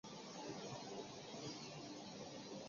现为亚太安全合作理事会中国委员会副会长。